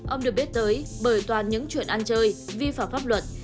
ông được biết tới bởi toàn những chuyện ăn chơi vi phạm pháp luật